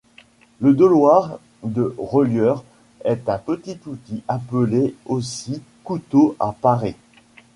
Le doloire de relieur est un petit outil appelé aussi couteau à parer.